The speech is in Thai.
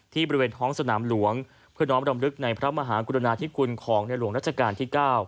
บริเวณท้องสนามหลวงเพื่อน้องรำลึกในพระมหากรุณาธิคุณของในหลวงรัชกาลที่๙